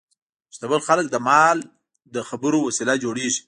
شتمن خلک د مال نه د خیر وسیله جوړوي.